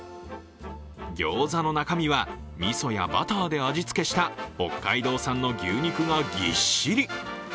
餃子の中身はみそやバターで味付けした北海道産の牛肉がぎっしり。